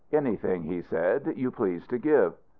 Anything, said he, you please to give.